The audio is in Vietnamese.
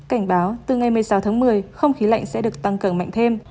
cảnh báo từ ngày một mươi sáu tháng một mươi không khí lạnh sẽ được tăng cường mạnh thêm